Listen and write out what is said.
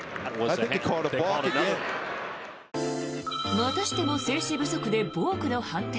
またしても静止不足でボークの判定。